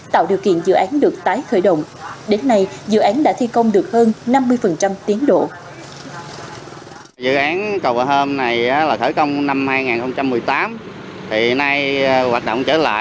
tạo điều kiện dự án được tái khởi động đến nay dự án đã thi công được hơn năm mươi tiến độ